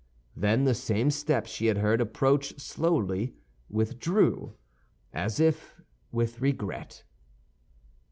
Then the same steps she had heard approach slowly withdrew, as if with regret.